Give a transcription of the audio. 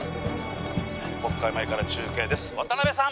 国会前から中継です渡部さん